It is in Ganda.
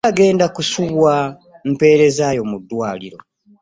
Tewali agenda kusubwa mperezaayo mu ddwaliro.